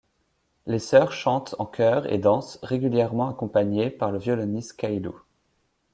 Les sœurs chantent en chœur et dansent, régulièrement accompagnées par le violoniste Kaylu.